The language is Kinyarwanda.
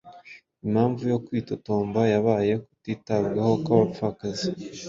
Impamvu yo kwitotomba yabaye kutitabwaho kw’abapfakazi